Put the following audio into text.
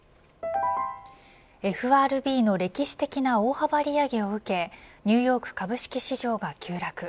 ＦＲＢの歴史的な大幅利上げを受けニューヨーク株式市場が急落。